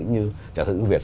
như nhà thơ ưu việt